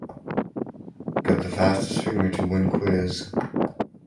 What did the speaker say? Got the fastest finger to win quiz.